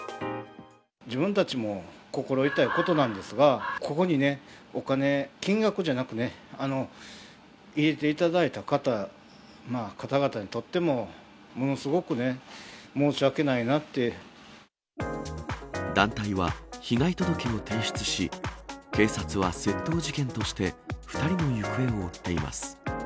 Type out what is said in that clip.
自分たちも心痛いことなんですが、ここにね、お金、金額じゃなくね、入れていただいた方、方々にとっても、ものすごくね、申し訳ない団体は、被害届を提出し、警察は窃盗事件として、２人の行方を追っています。